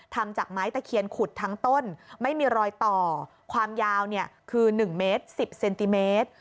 ทำจากไม้แต่เขียนขุดทั้งต้นไม่มีรอยต่อความยาวเนี่ยคือหนึ่งเมตรสิบเซนติเมตร